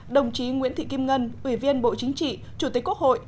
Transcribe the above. đồng chí nguyễn thị kim ngân ủy viên bộ chính trị chủ tịch quốc hội